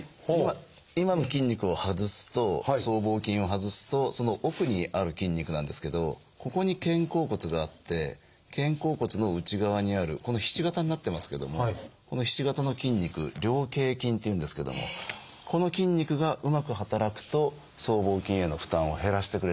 今の筋肉を外すと僧帽筋を外すとその奥にある筋肉なんですけどここに肩甲骨があって肩甲骨の内側にあるひし形になってますけどもこのひし形の筋肉「菱形筋」っていうんですけどもこの筋肉がうまく働くと僧帽筋への負担を減らしてくれるんですね。